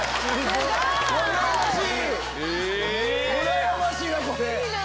うらやましいな！